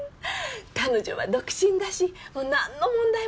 彼女は独身だしなんの問題もないわ。